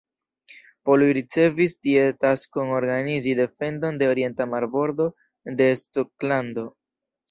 Poloj ricevis tie taskon organizi defendon de orienta marbordo de Skotlando.